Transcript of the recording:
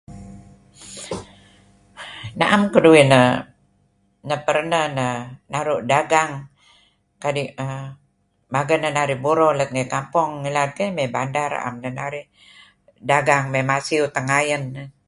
Naem keduih neh pernah neh naru' dagang kadi' uhm mageh neh narih buro lat ngi kampong ngilad eyh may bandar am neh narih dagang may masiew tengayan iih.